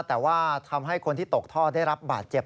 แต่ว่าทำให้คนที่ตกท่อได้รับบาดเจ็บ